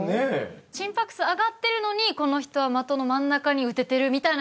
心拍数上がってるのにこの人は的の真ん中に打ててるみたいな。